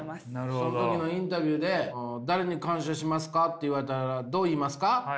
その時のインタビューで「誰に感謝しますか？」と言われたらどう言いますか？